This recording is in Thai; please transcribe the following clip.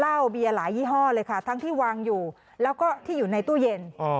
เหล้าเบียร์หลายยี่ห้อเลยค่ะทั้งที่วางอยู่แล้วก็ที่อยู่ในตู้เย็น